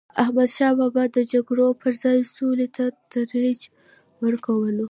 احمدشاه بابا د جګړو پر ځای سولي ته ترجیح ورکوله.